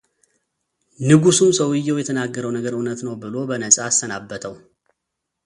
ንጉሱም ሰውየው የተናገረው ነገር እውነት ነው ብሎ በነፃ አሰናበተው፡፡